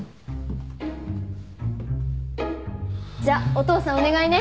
じゃお父さんお願いね。